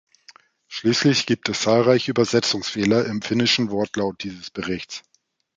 Schließlich gibt es zahlreiche Übersetzungsfehler im finnischen Wortlaut dieses Berichts.